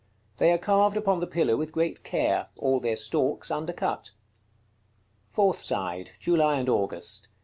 They are carved upon the pillar with great care, all their stalks undercut. Fourth side. July and August.